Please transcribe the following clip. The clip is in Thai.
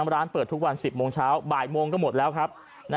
ร้านเปิดทุกวัน๑๐โมงเช้าบ่ายโมงก็หมดแล้วครับ